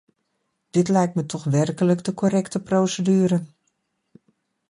Dit lijkt me toch werkelijk de correcte procedure.